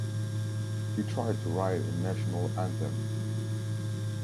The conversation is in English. He tried to write a national anthem.